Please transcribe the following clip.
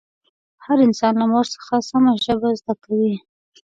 هر انسان له مور څخه سمه ژبه زده کوي